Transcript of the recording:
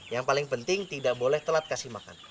yang paling penting tidak boleh telat kasih makan